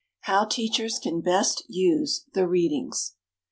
How Teachers Can Best Use the "Readings."